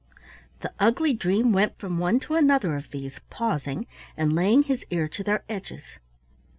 The ugly dream went from one to another of these, pausing, and laying his ear to their edges.